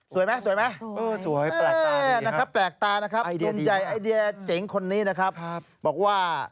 สวยไหมนะครับแปลกตานะครับดูใจไอเดียเจ๋งคนนี้นะครับบอกว่า